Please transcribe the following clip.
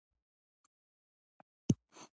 هغوی په خپله خوښه ناوړه پرېکړه نه شي کولای.